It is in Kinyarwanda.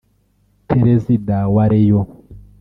Perezida wa Rayon